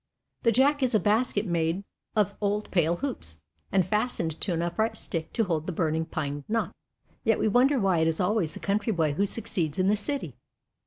The jack is a basket made of old pail hoops, and fastened to an upright stick to hold the burning pine knot. Yet we wonder why it is always the country boy who succeeds in the city!